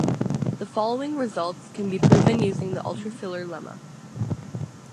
The following results can be proven using the ultrafilter lemma.